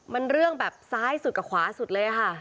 มันเรื่องแบบซ้ายสุดกับขวาสุดเลยค่ะ